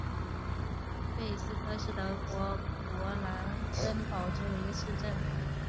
贝斯科是德国勃兰登堡州的一个市镇。